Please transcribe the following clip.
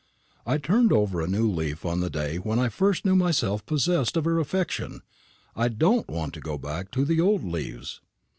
I turned over a new leaf on the day when I first knew myself possessed of her affection. I don't want to go back to the old leaves."